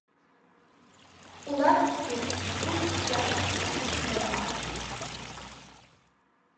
ئۇلار ئۈچۈن بۇ ئىشلار شۇنچىلىك نورمال.